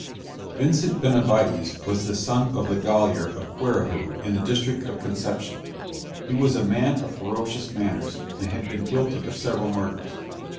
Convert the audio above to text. Vincent Benavides was the son of the gaoler of Quirihue in the district of Conception. He was a man of ferocious manners, and had been guilty of several murders.